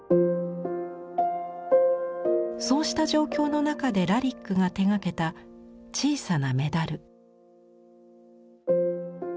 そうした状況の中でラリックが手がけた小さなメダル。